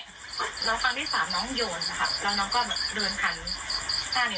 อ่ะเหนียวก็เลยว่าน้องไม่มีมารยาทเลยทำกับครูแบบนี้ได้ไง